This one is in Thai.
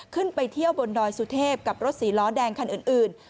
ขึ้นไปเที่ยวบนดอยสุเทพกับรถสีล้อแดงคันอื่น